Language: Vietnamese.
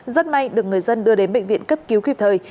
rất may được người dân đưa đến bệnh viện cấp cứu kịp thời